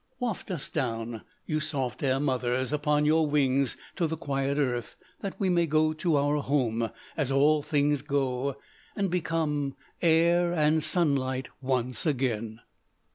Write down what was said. Waft us down, you soft air mothers, upon your wings, to the quiet earth, that we may go to our home, as all things go, and become air and sunlight once again!